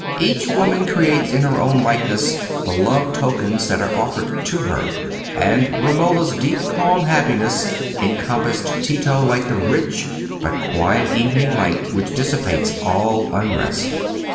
Each woman creates in her own likeness the love tokens that are offered to her; and Romola's deep calm happiness encompassed Tito like the rich but quiet evening light which dissipates all unrest.